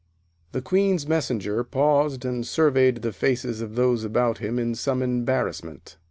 The Queen's Messenger paused and surveyed the faces of those about him in some embarrassment.